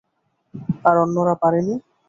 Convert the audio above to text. আর অন্যরা পারেনি?